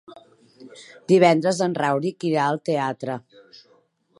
Divendres en Rauric irà al teatre.